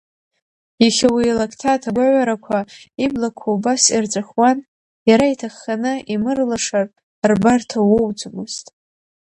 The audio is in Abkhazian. Иахьа уи илакҭа аҭагәаҩарақәа иблақәа убас ирҵәахуан, иара иҭахханы имырлашар, рбарҭа уоуӡомызт.